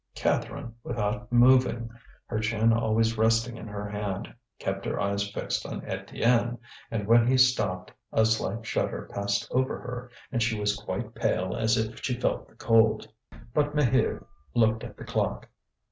Catherine, without moving, her chin always resting in her hand, kept her eyes fixed on Étienne, and when he stopped a slight shudder passed over her, and she was quite pale as if she felt the cold. But Maheude looked at the clock.